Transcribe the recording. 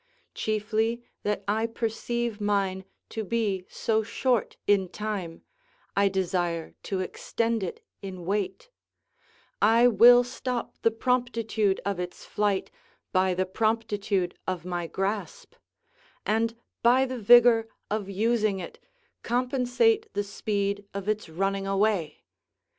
Chiefly that I perceive mine to be so short in time, I desire to extend it in weight; I will stop the promptitude of its flight by the promptitude of my grasp; and by the vigour of using it compensate the speed of its running away.